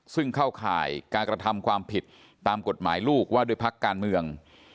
ซึ่งเข้าข่ายการกระทำความผิดตามกฎหมายลูกว่าด้วยพักการเมือง